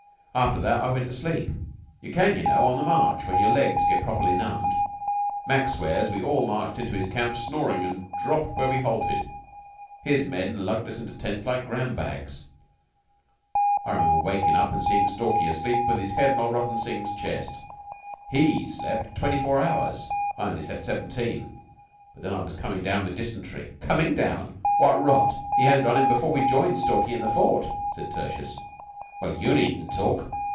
After that I went to sleep. You can, you know, on the march, when your legs get properly numbed. Mac swears we all marched into his camp snoring and dropped where we halted. His men lugged us into the tents like gram bags. I remember wakin' up and seeing Stalky asleep with his head on old Rutton Singh's chest. He slept twenty four hours. I only slept seventeen, but then I was coming down with dysentery." "Coming down? What rot! He had it on him before we joined Stalky in the fort," said Tertius. "Well, you needn't talk!